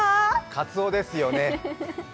かつおですよね。